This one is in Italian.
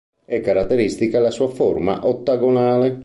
È caratteristica la sua forma ottagonale.